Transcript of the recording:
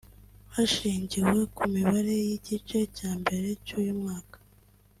hashingiwe ku mibare y’igice cya mbere cy’uyu mwaka